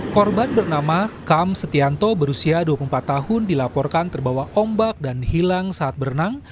korban bernama kam setianto berusia dua puluh empat tahun dilaporkan terbawa ombak dan hilang saat berenang